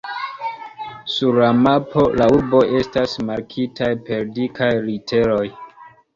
Sur la mapo la urboj estas markitaj per dikaj literoj.